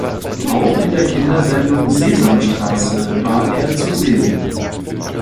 Auch in der Kindersendung "Sesamstraße" war er zu sehen.